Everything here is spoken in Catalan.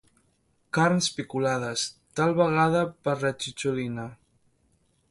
Carns picolades, tal vegada per la Cicciolina.